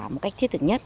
một cách thiết thực nhất